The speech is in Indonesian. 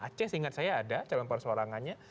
aceh seingat saya ada calon persoarangannya